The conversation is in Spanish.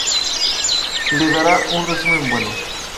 Le dará un resumen bueno.